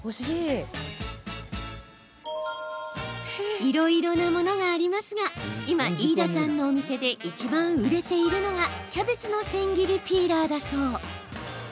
いろいろなものがありますが今、飯田さんのお店でいちばん売れているのがキャベツのせん切りピーラーだそう。